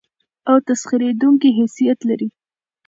او تسخېرېدونکى حيثيت لري.